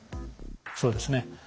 そうですね。